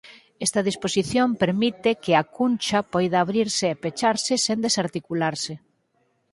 Esta disposición permite que á cuncha poida abrirse e pecharse sen desarticularse.